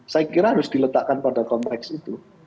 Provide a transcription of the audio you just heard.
saya kira harus diletakkan pada konteks itu